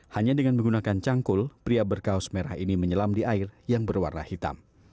hanya dengan menggunakan cangkul pria berkaos merah ini menyelam di air yang berwarna hitam